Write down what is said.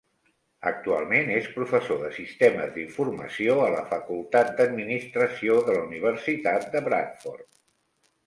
Actualment és professor de Sistemes d'Informació a la Facultat d'Administració de la Universitat de Bradford.